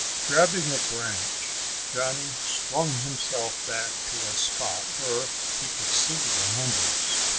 Grabbing a branch, Johnny swung himself back to a spot where he could see the hunters.